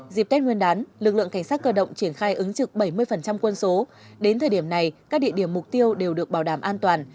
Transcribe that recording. dịp tết nguyên đán lực lượng cảnh sát cơ động triển khai ứng trực bảy mươi quân số đến thời điểm này các địa điểm mục tiêu đều được bảo đảm an toàn